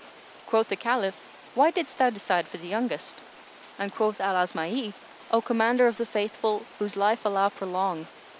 Quoth the Caliph, "Why didst thou decide for the youngest?" and quoth Al Asma'i, "O Commander of the Faithful, whose life Allah prolong!